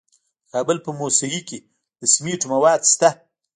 د کابل په موسهي کې د سمنټو مواد شته.